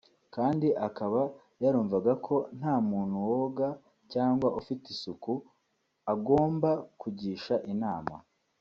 kandi akaba yarumvaga ko nta muntu woga cyangwa ufite isuku agomba kugisha inama